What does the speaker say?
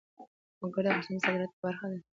وګړي د افغانستان د صادراتو برخه ده.